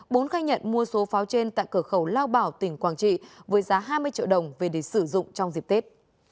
bốn khai nhận mua số pháo trên tại cửa khẩu lao bảo tỉnh quảng trị với giá hai mươi triệu đồng về để sử dụng trong dịp tết